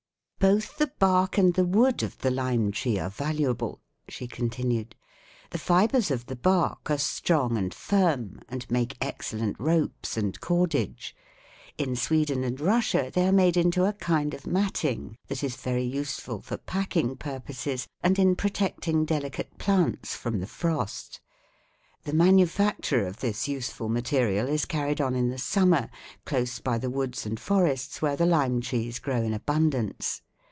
"Both the bark and the wood of the lime tree are valuable," she continued. "The fibres of the bark are strong and firm, and make excellent ropes and cordage. In Sweden and Russia they are made into a kind of matting that is very useful for packing purposes and in protecting delicate plants from the frost. 'The manufacture of this useful material is carried on in the summer, close by the woods and forests where the lime trees grow in abundance.